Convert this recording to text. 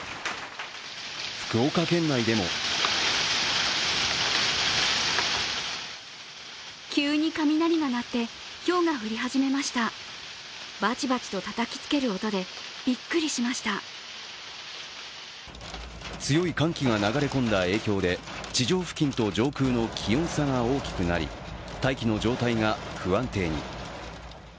福岡県内でも強い寒気が流れ込んだ影響で地上付近と上空の気温差が大きくなり大気の状態が不安定に。